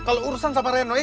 jangan sampai renoi